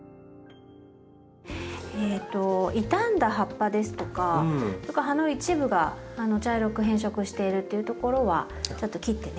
えと傷んだ葉っぱですとか葉の一部が茶色く変色しているっていうところはちょっと切ってね